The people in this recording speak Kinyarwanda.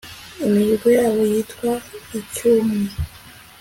imihigo yabo yitwa icy'umwe